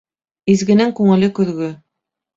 Изгенең күңеле көҙгө.